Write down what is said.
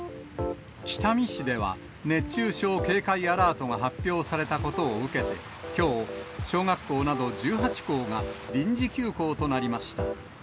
北見市では、熱中症警戒アラートが発表されたことを受けて、きょう、小学校など１８校が臨時休校となりました。